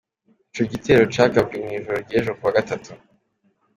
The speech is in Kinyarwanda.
Ico gitero cagabwe mw'ijoro ry'ejo kuwa gatatu.